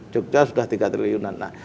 jogja sudah tiga triliunan